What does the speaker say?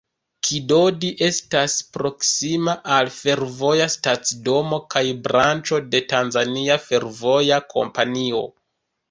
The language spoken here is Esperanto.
Kidodi estas proksima al fervoja stacidomo kaj branĉo de Tanzania Fervoja Kompanio.